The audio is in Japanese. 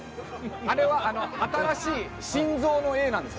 あれは新しい新造のＡなんです。